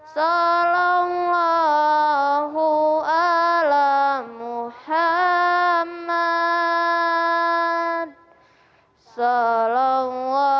salam allah alaihi wasalam